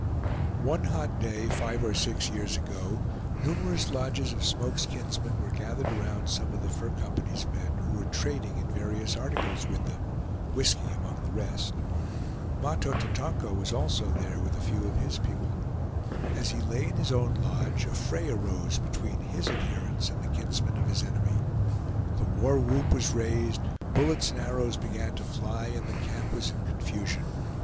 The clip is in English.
One hot day, five or six years ago, numerous lodges of Smoke's kinsmen were gathered around some of the Fur Company's men, who were trading in various articles with them, whisky among the rest. Mahto Tatonka was also there with a few of his people. As he lay in his own lodge, a fray arose between his adherents and the kinsmen of his enemy. The war whoop was raised, bullets and arrows began to fly, and the camp was in confusion.